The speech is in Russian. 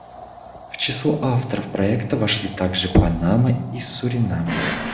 В число авторов проекта вошли также Панама и Суринам.